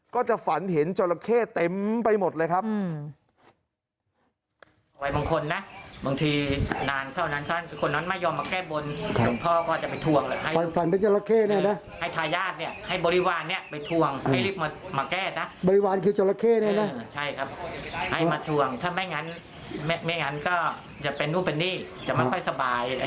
ก็จะฝันเห็นจราเข้เต็มไปหมดเลยครับ